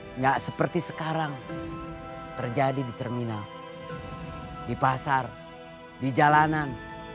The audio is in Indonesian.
tidak seperti sekarang terjadi di terminal di pasar di jalanan